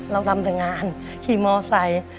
เราทำแต่งานขี่มอไซค์